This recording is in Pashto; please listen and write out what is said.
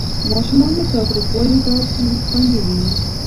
ماشومان له تاوتریخوالي باید خوندي وي.